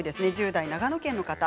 １０代、長野県の方。